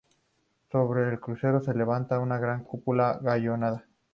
Sobre el crucero se levanta una gran cúpula gallonada.